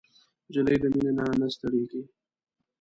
نجلۍ له مینې نه نه ستړېږي.